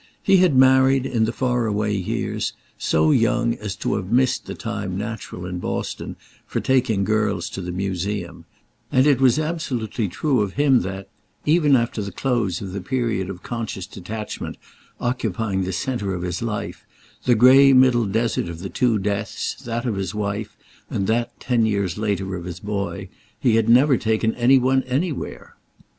He had married, in the far away years, so young as to have missed the time natural in Boston for taking girls to the Museum; and it was absolutely true of hint that—even after the close of the period of conscious detachment occupying the centre of his life, the grey middle desert of the two deaths, that of his wife and that, ten years later, of his boy—he had never taken any one anywhere.